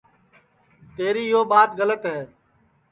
تیری یو ٻات گلت ہے